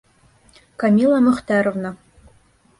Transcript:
Камила Мөхтәровна.